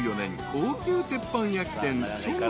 高級鉄板焼き店］